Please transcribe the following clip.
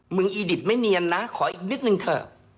อีดิตไม่เนียนนะขออีกนิดนึงเถอะ